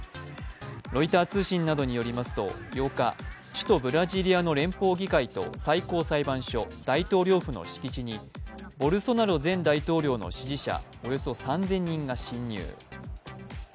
ロイター通信などによりますと８日首都ブラジリアの連邦議会と最高裁判所、大統領府の敷地にボルソナロ前大統領の支持者およそ３０００人が侵入。